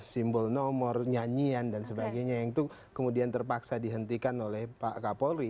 simbol nomor nyanyian dan sebagainya yang itu kemudian terpaksa dihentikan oleh pak kapolri